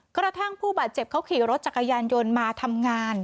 กระทั่งผู้บาดเจ็บเขาขี่รถจักรยานยนต์มาทำงาน